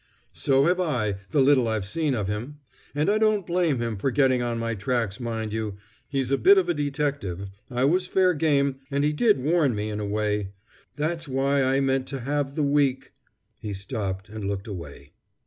"So have I, the little I've seen of him. And I don't blame him for getting on my tracks, mind you; he's a bit of a detective, I was fair game, and he did warn me in a way. That's why I meant to have the week " He stopped and looked away.